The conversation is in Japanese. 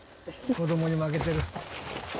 子供に負けてる。